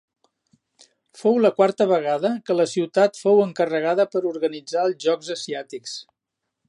Fou la quarta vegada que la ciutat fou encarregada per organitzar els Jocs Asiàtics.